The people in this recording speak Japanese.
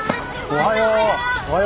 おはよう！